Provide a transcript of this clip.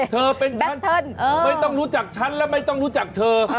เธอเป็นฉันไม่ต้องรู้จักฉันแล้วไม่ต้องรู้จักเธอ